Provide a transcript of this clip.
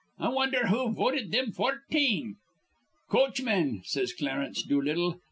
'I wondher who voted thim fourteen?' 'Coachmen,' says Clarence Doolittle.